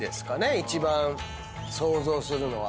一番想像するのは。